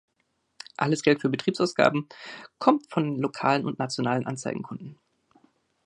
Alles Geld für Betriebsausgaben kommt von lokalen und nationalen Anzeigenkunden.